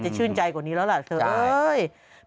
จะชื่นใจกว่านี้แล้วล่ะเสร็จ